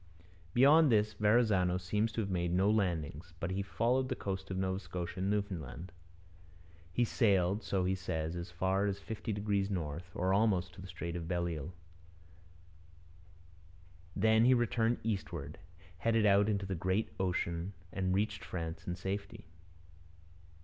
Beyond this Verrazano seems to have made no landings, but he followed the coast of Nova Scotia and Newfoundland. He sailed, so he says, as far as fifty degrees north, or almost to the Strait of Belle Isle. Then he turned eastward, headed out into the great ocean, and reached France in safety.